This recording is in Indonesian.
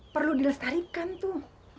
perlu dilestarikan tuh